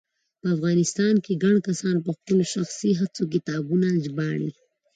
په افغانستان کې ګڼ کسان په خپلو شخصي هڅو کتابونه ژباړي